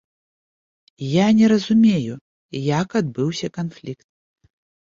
Я не разумею, як адбыўся канфлікт.